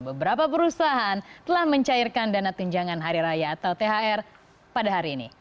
beberapa perusahaan telah mencairkan dana tunjangan hari raya atau thr pada hari ini